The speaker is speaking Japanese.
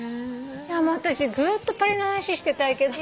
私ずっと鳥の話してたいけど。